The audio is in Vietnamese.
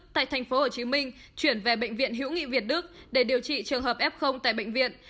tại tp hcm chuyển về bệnh viện hữu nghị việt đức để điều trị trường hợp f tại bệnh viện